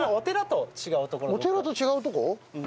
お寺と違うとこ？